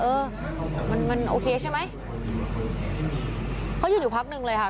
เออมันมันโอเคใช่ไหมเขายืนอยู่พักหนึ่งเลยค่ะ